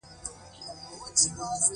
کوتره د وطن نښه ده.